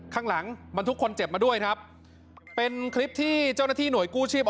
ข้างหลังบรรทุกคนเจ็บมาด้วยครับเป็นคลิปที่เจ้าหน้าที่หน่วยกู้ชีพ